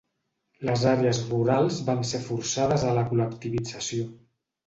Les àrees rurals van ser forçades a la col·lectivització.